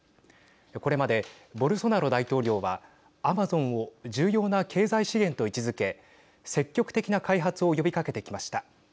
これまで、ボルソナロ大統領はアマゾンを重要な経済支援と位置づけ積極的な開発を呼びかけてきました。